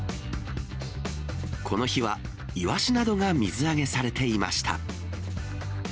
この日はイワシなどが水揚げされていました。